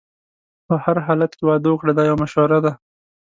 په هر حالت کې واده وکړه دا یو مشوره ده.